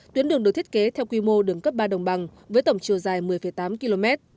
tuyến đường được thiết kế theo quy mô đường cấp ba đồng bằng với tổng chiều dài một mươi tám km